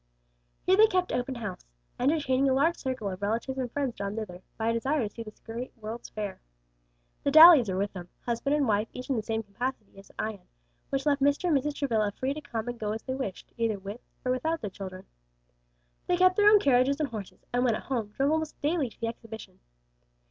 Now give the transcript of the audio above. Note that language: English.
Here they kept open house, entertaining a large circle of relatives and friends drawn thither, by a desire to see this great world's fair. The Dalys were with them, husband and wife each in the same capacity as at Ion, which left Mr. and Mrs. Travilla free to come and go as they wished, either with or without their children. They kept their own carriages and horses and when at home drove almost daily to the Exhibition.